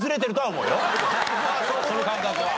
その感覚は。